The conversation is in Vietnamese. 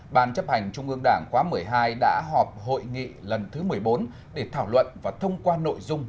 ban chấp hành trung ương đảng khóa một mươi hai đã họp hội nghị lần thứ một mươi bốn để thảo luận và thông qua nội dung